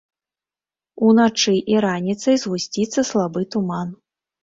Уначы і раніцай згусціцца слабы туман.